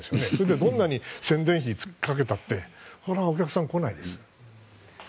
どんなに宣伝費をかけてもお客さん来ないです。